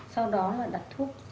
sau đó là đặt thuốc